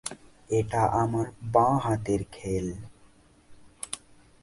এটা আমার বাঁ-হাতের খেল।